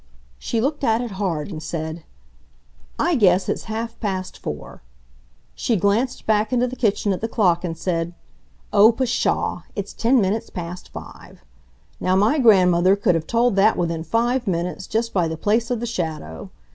She looked at it hard and said: "I guess it's half past four." She glanced back into the kitchen at the clock and said: "Oh pshaw! It's ten minutes past five! Now my grandmother could have told that within five minutes, just by the place of the shadow.